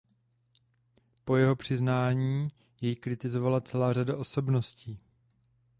Po jeho přiznání jej kritizovala celá řada osobností.